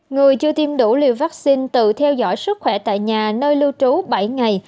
người chưa tiêm đủ liều vaccine tự theo dõi sức khỏe tại nhà nơi lưu trú bảy ngày